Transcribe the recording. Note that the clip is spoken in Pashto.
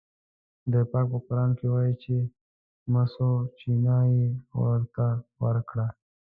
خدای پاک په قرآن کې وایي چې د مسو چینه یې ورته ورکړه.